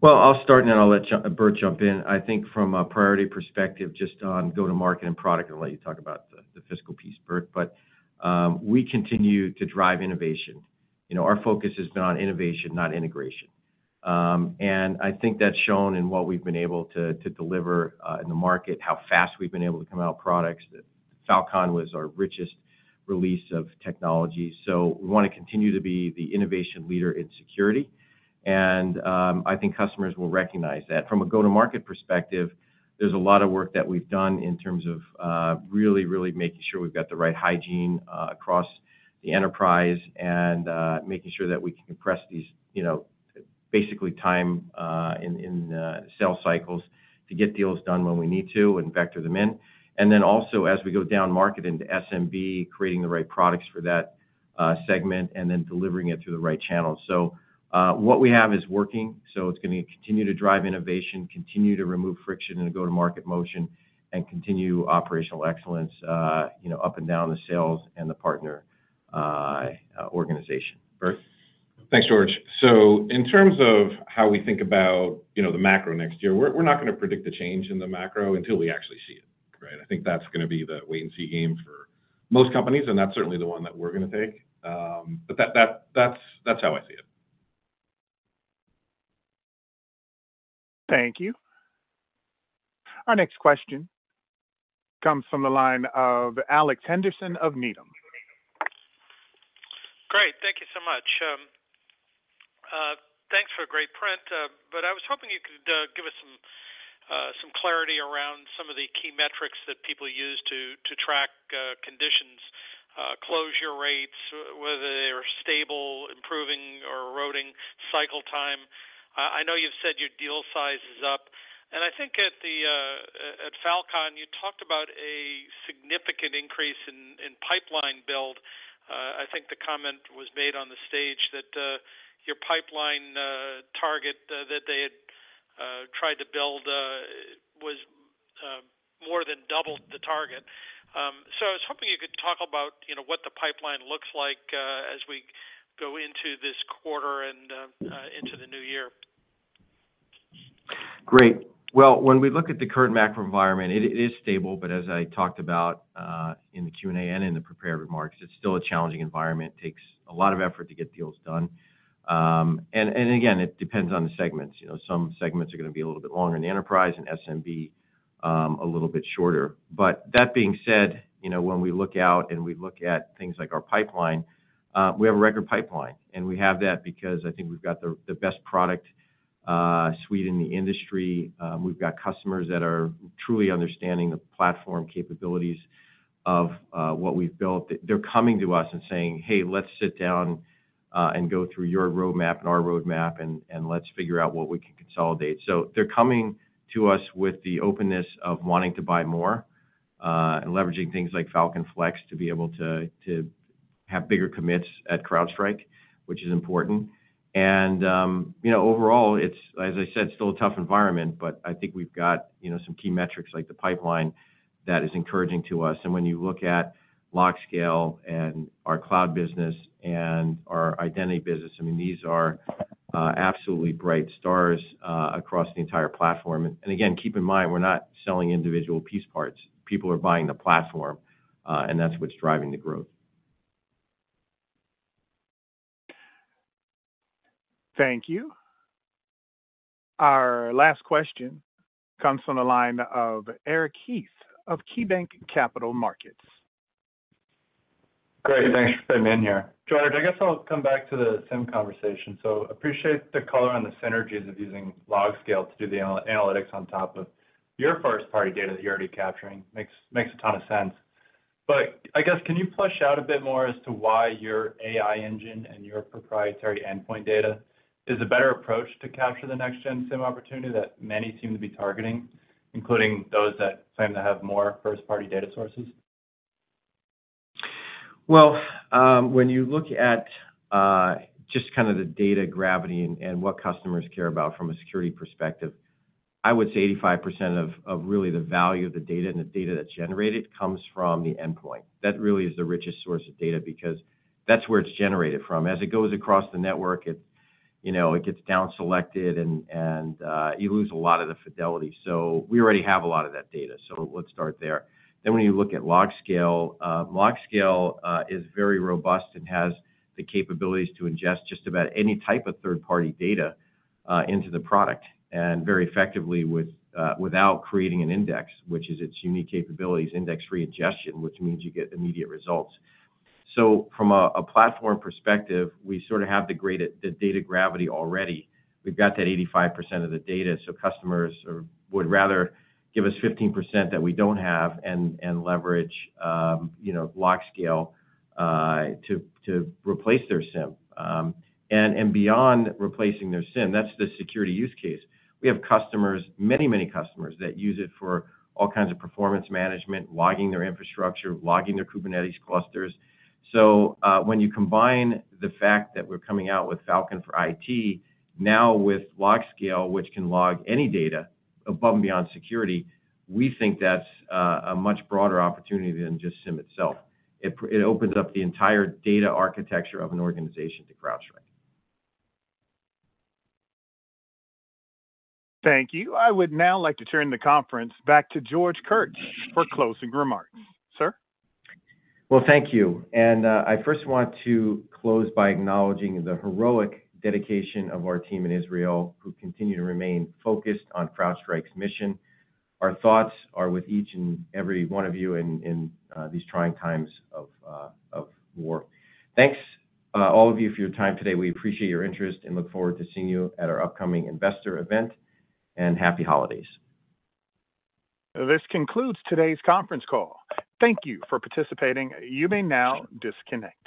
Well, I'll start and then I'll let Burt jump in. I think from a priority perspective, just on go-to-market and product, I'll let you talk about the fiscal piece, Burt, but we continue to drive innovation. You know, our focus has been on innovation, not integration. And I think that's shown in what we've been able to deliver in the market, how fast we've been able to come out with products. FalCon was our richest release of technology, so we want to continue to be the innovation leader in security, and I think customers will recognize that. From a go-to-market perspective, there's a lot of work that we've done in terms of, really, really making sure we've got the right hygiene across the enterprise and making sure that we can compress these, you know, basically time in sales cycles to get deals done when we need to and vector them in. And then also, as we go down market into SMB, creating the right products for that segment and then delivering it through the right channels. So, what we have is working, so it's gonna continue to drive innovation, continue to remove friction in the go-to-market motion, and continue operational excellence, you know, up and down the sales and the partner organization. Burt? Thanks, George. So in terms of how we think about, you know, the macro next year, we're not gonna predict a change in the macro until we actually see it, right? I think that's gonna be the wait-and-see game for most companies, and that's certainly the one that we're gonna take. But that's how I see it. Thank you. Our next question comes from the line of Alex Henderson of Needham. Great. Thank you so much...... Thanks for a great print. But I was hoping you could give us some clarity around some of the key metrics that people use to track conditions, closure rates, whether they are stable, improving, or eroding cycle time. I know you've said your deal size is up, and I think at FalCon, you talked about a significant increase in pipeline build. I think the comment was made on the stage that your pipeline target that they had tried to build was more than double the target. So I was hoping you could talk about, you know, what the pipeline looks like as we go into this quarter and into the new year. Great. Well, when we look at the current macro environment, it is stable, but as I talked about in the Q&A and in the prepared remarks, it's still a challenging environment. Takes a lot of effort to get deals done. And again, it depends on the segments. You know, some segments are gonna be a little bit longer in enterprise and SMB, a little bit shorter. But that being said, you know, when we look out and we look at things like our pipeline, we have a record pipeline, and we have that because I think we've got the best product suite in the industry. We've got customers that are truly understanding the platform capabilities of what we've built. They're coming to us and saying, "Hey, let's sit down and go through your roadmap and our roadmap and let's figure out what we can consolidate." So they're coming to us with the openness of wanting to buy more and leveraging things like FalCon Flex to be able to have bigger commits at CrowdStrike, which is important. And you know, overall, it's, as I said, still a tough environment, but I think we've got you know some key metrics like the pipeline that is encouraging to us. And when you look at LogScale and our cloud business and our identity business, I mean, these are absolutely bright stars across the entire platform. And again, keep in mind, we're not selling individual piece parts. People are buying the platform and that's what's driving the growth. Thank you. Our last question comes from the line of Eric Heath of KeyBanc Capital Markets. Great, thanks for fitting me in here. George, I guess I'll come back to the SIEM conversation. So appreciate the color on the synergies of using LogScale to do the analytics on top of your first-party data that you're already capturing. Makes, makes a ton of sense. But I guess, can you flesh out a bit more as to why your AI engine and your proprietary endpoint data is a better approach to capture the next-gen SIEM opportunity that many seem to be targeting, including those that claim to have more first-party data sources? Well, when you look at just kind of the data gravity and what customers care about from a security perspective, I would say 85% of really the value of the data and the data that's generated comes from the endpoint. That really is the richest source of data, because that's where it's generated from. As it goes across the network, it you know it gets downselected and you lose a lot of the fidelity. So we already have a lot of that data, so let's start there. Then, when you look at LogScale, LogScale is very robust and has the capabilities to ingest just about any type of third-party data into the product, and very effectively without creating an index, which is its unique capabilities, index-free ingestion, which means you get immediate results. So from a platform perspective, we sort of have the great data gravity already. We've got that 85% of the data, so customers would rather give us 15% that we don't have and leverage, you know, LogScale to replace their SIEM. And beyond replacing their SIEM, that's the security use case. We have customers, many, many customers, that use it for all kinds of performance management, logging their infrastructure, logging their Kubernetes clusters. So, when you combine the fact that we're coming out with FalCon for IT, now with LogScale, which can log any data above and beyond security, we think that's a much broader opportunity than just SIEM itself. It opens up the entire data architecture of an organization to CrowdStrike. Thank you. I would now like to turn the conference back to George Kurtz for closing remarks. Sir? Well, thank you. I first want to close by acknowledging the heroic dedication of our team in Israel, who continue to remain focused on CrowdStrike's mission. Our thoughts are with each and every one of you in these trying times of war. Thanks, all of you, for your time today. We appreciate your interest and look forward to seeing you at our upcoming investor event, and happy holidays. This concludes today's conference call. Thank you for participating. You may now disconnect.